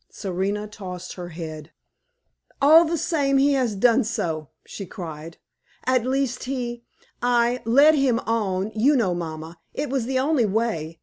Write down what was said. Serena tossed her head. "All the same, he has done so!" she cried; "at least, he I led him on, you know, mamma; it was the only way.